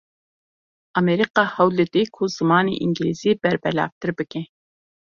Amerîka hewl dide ku zimanê îngilîzî berbelavtir bike.